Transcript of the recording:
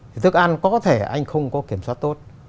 thì thức ăn có thể anh không có kiểm soát tốt